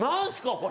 これ。